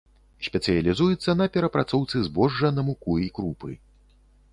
Спецыялізуецца на перапрацоўцы збожжа на муку і крупы.